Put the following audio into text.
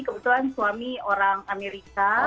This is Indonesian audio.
kebetulan suami orang amerika